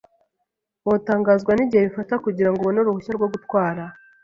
Wotangazwa nigihe bifata kugirango ubone uruhushya rwo gutwara.